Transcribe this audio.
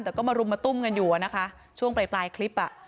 แต่ก็มารุมมาตุ้มกันอยู่อะนะคะช่วงปลายคลิปอ่ะ